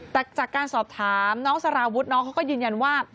แต่จากการสอบถามน้องสารวุฒิน้องเขาก็ยืนยันว่า